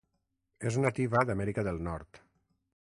És nativa d'Amèrica del Nord.